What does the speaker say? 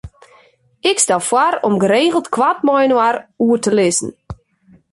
Ik stel foar om geregeld koart mei-inoar oer te lizzen.